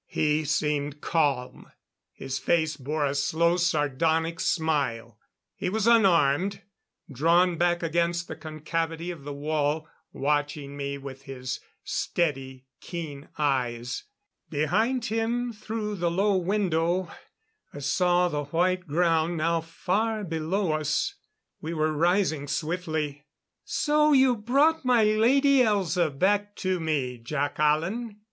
He seemed calm; his face bore a slow sardonic smile; he was unarmed, drawn back against the concavity of the wall, watching me with his steady, keen eyes. Behind him through the low window, I saw the white ground now far below us; we were rising swiftly. "So you brought my Lady Elza back to me, Jac Hallen?"